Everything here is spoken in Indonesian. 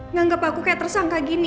nganggap aku kayak tersangka gini